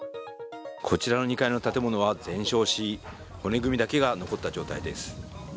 こちらの２階の建物は全焼し骨組みだけが残った状態です。